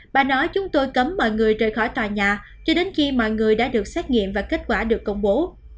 bà nói chúng tôi cấm mọi người rời khỏi tòa nhà cho đến khi mọi người đã được xét nghiệm và kết quả được công bố